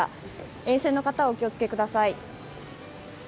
沿線の方はお気をつけください。